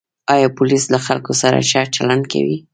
آیا پولیس له خلکو سره ښه چلند کوي؟